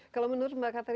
kalau menurut mbak katharina